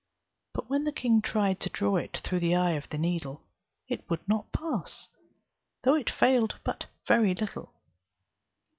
But when the king tried to draw it through the eye of the needle, it would not pass, though it failed but very little.